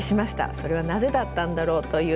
それはなぜだったんだろうという。